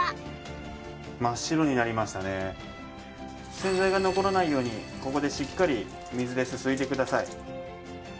洗剤が残らないようにここでしっかり水ですすいでください。